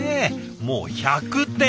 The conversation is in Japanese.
もう１００点！